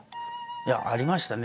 いやありましたね。